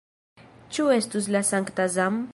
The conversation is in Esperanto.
Ĉu estus la sankta Zam?